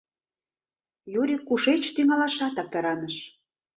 — Юрик кушеч тӱҥалашат аптыраныш.